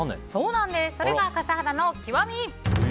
それが笠原の極み！